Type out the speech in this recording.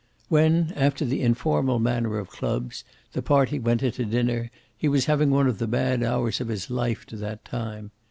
When, after the informal manner of clubs, the party went in to dinner, he was having one of the bad hours of his life to that time.